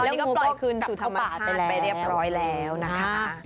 นี่ก็ปล่อยคืนสู่ธรรมชาติไปเรียบร้อยแล้วนะคะ